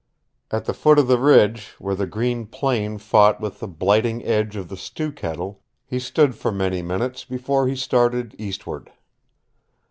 At the foot of the ridge, where the green plain fought with the blighting edge of the Stew Kettle, he stood for many minutes before he started east ward.